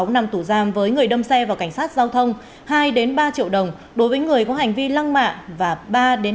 sáu năm tù giam với người đâm xe vào cảnh sát giao thông hai ba triệu đồng đối với người có hành vi lăng mạ và ba năm